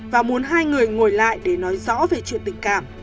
và muốn hai người ngồi lại để nói rõ về chuyện tình cảm